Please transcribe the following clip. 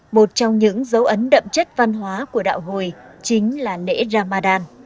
một trong những dấu ấn đậm chất văn hóa của đạo hồi chính là lễ ramadan